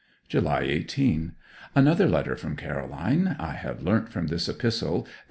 July 18. Another letter from Caroline. I have learnt from this epistle, that M.